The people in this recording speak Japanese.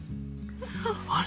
あれ？